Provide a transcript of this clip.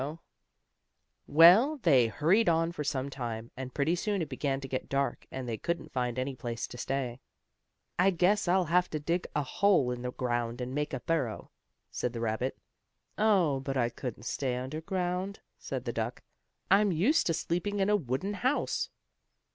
Well, they hurried on for some time, and pretty soon it began to get dark, and they couldn't find any place to stay. "I guess I'll have to dig a hole in the ground, and make a burrow," said the rabbit. "Oh, but I couldn't stay underground," said the duck. "I'm used to sleeping in a wooden house."